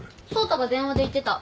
蒼太が電話で言ってた。